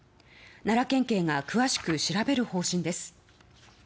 奈良県警が詳しく調べる方針です。